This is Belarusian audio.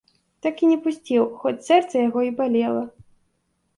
Так і не пусціў, хоць сэрца яго і балела.